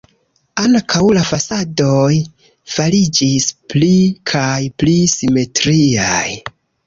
Ankaŭ la fasadoj fariĝis pli kaj pli simetriaj.